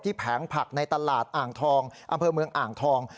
แผงผักในตลาดอ่างทองอำเภอเมืองอ่างทอง